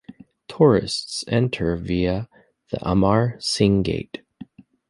Tourists enter via the Amar Singh Gate.